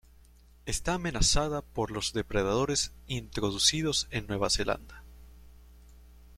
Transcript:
Está amenazada por los depredadores introducidos en Nueva Zelanda.